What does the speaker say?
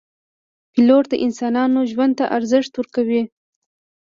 پیلوټ د انسانانو ژوند ته ارزښت ورکوي.